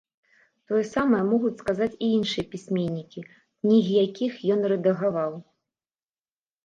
Тое самае могуць сказаць і іншыя пісьменнікі, кнігі якіх ён рэдагаваў.